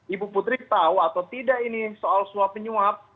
ibu putri tahu atau tidak ini soal suap penyuap